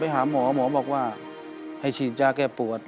หมอบอกว่าให้ฉีดยากายปวด